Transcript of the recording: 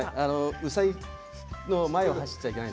うさぎの前を走っちゃいけない。